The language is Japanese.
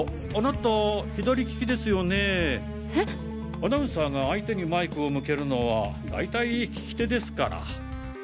アナウンサーが相手にマイクを向けるのは大体利き手ですから。